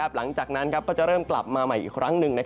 หลังจากนั้นก็จะเริ่มกลับมาใหม่อีกครั้งหนึ่ง